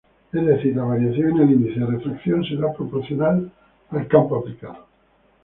Es decir, la variación en el índice de refracción será proporcional al campo aplicado.